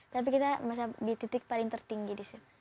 tapi kita masih di titik paling tertinggi di summit